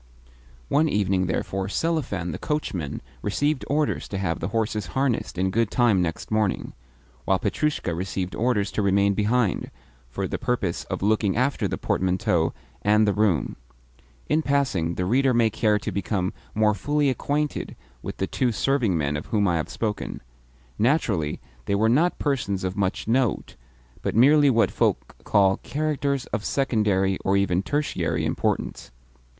One evening, therefore, Selifan the coachman received orders to have the horses harnessed in good time next morning; while Petrushka received orders to remain behind, for the purpose of looking after the portmanteau and the room. In passing, the reader may care to become more fully acquainted with the two serving men of whom I have spoken. Naturally, they were not persons of much note, but merely what folk call characters of secondary, or even of tertiary, importance.